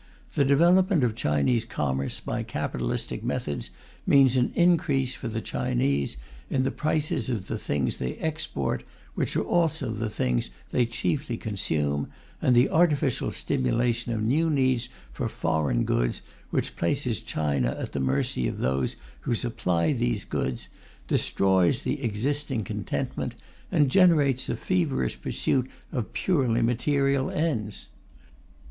The development of Chinese commerce by capitalistic methods means an increase, for the Chinese, in the prices of the things they export, which are also the things they chiefly consume, and the artificial stimulation of new needs for foreign goods, which places China at the mercy of those who supply these goods, destroys the existing contentment, and generates a feverish pursuit of purely material ends.